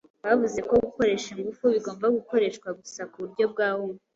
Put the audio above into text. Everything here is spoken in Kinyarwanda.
Bavuze ko gukoresha ingufu bigomba gukoreshwa gusa nkuburyo bwa uma.